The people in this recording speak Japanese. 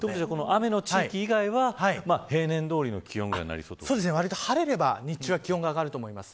雨の地域以外は平年通りの気温に晴れれば日中は気温が上がると思います。